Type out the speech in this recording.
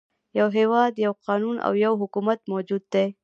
يو هېواد، یو قانون او یو حکومت موجود دی.